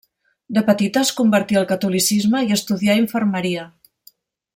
De petita es convertí al catolicisme i estudià infermeria.